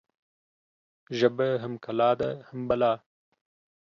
ژبه هم کلا ده، هم بلا